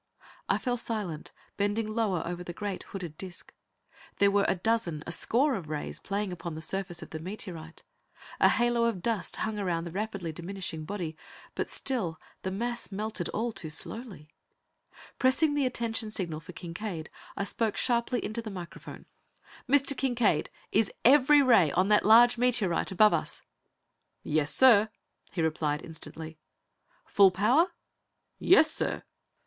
I fell silent, bending lower over the great hooded disc. There were a dozen, a score of rays playing upon the surface of the meteorite. A halo of dust hung around the rapidly diminishing body, but still the mass melted all too slowly. Pressing the attention signal for Kincaide, I spoke sharply into the microphone: "Mr. Kincaide, is every ray on that large meteorite above us?" "Yes, sir," he replied instantly. "Full power?" "Yes, sir."